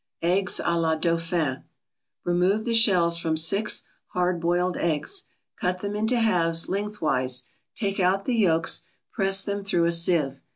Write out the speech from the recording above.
EGGS A LA DAUPHIN Remove the shells from six hard boiled eggs, cut them into halves, lengthwise, take out the yolks, press them through a sieve.